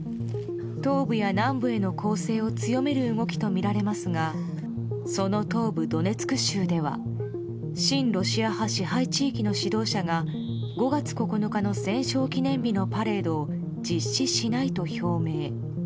東部や南部への攻勢を強める動きとみられますがその東部ドネツク州では親ロシア派支配地域の指導者が５月９日の戦勝記念日のパレードを実施しないと表明。